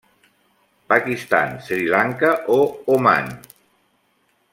Pakistan, Sri Lanka o Oman.